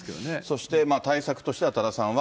そして、対策としては、多田さんは。